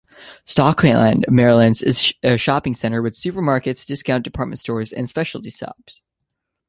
Stockland Merrylands is a shopping centre with supermarkets, discount department stores and specialty shops.